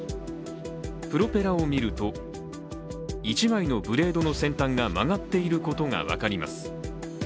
プロペラを見ると、１枚のブレードの先端が曲がっていることが分かります。